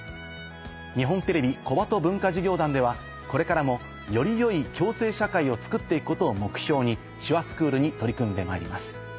日本テレビ小鳩文化事業団ではこれからもよりよい共生社会をつくっていくことを目標に「手話スクール」に取り組んでまいります。